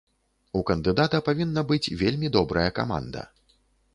У кандыдата павінна быць вельмі добрая каманда.